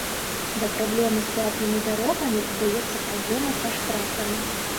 Да праблемы з платнымі дарогамі дадаецца праблема са штрафамі.